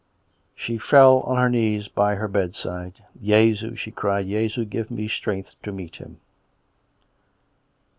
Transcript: She fell on her knees by her bedside. " Jesu !" she cried. " Jesu ! Give me strength to meet him."